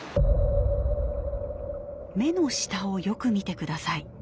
目の下をよく見てください。